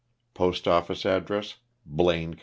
Post office address, Blaine, Ky.